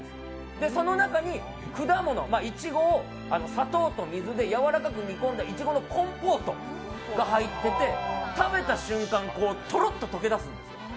で、その中に果物、いちごを砂糖と水で柔らかく煮込んだいちごのコンポートが入っていて食べた瞬間、とろっと溶け出すんですよ。